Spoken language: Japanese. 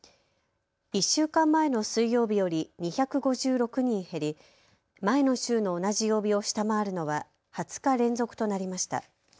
１週間前の水曜日より２５６人減り前の週の同じ曜日を下回るのは２０日連続となりました。